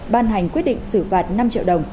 ban hành quyết định xử phạt năm triệu đồng